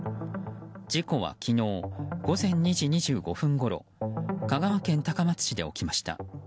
事故は昨日、午前２時２５分ごろ香川県高松市で起きました。